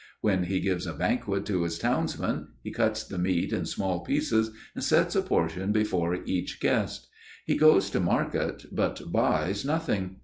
When he gives a banquet to his townsmen he cuts the meat in small pieces and sets a portion before each guest. He goes to market, but buys nothing.